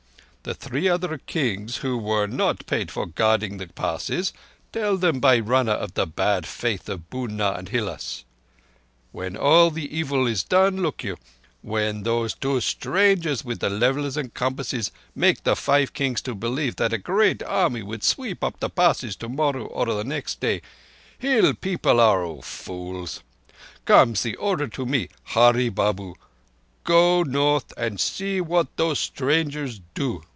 The three other Kings, who were not paid for guarding the Passes, tell them by runner of the bad faith of Bunár and Hilás. When all the evil is done, look you—when these two strangers with the levels and the compasses make the Five Kings to believe that a great army will sweep the Passes tomorrow or the next day—Hill people are all fools—comes the order to me, Hurree Babu, 'Go North and see what those strangers do.